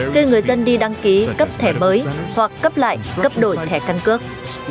khi người dân đi đăng ký cấp thẻ mới hoặc cấp lại cấp đổi thẻ căn cước